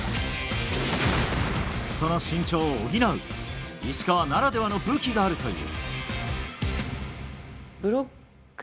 その身長を補う石川ならではの武器があるという。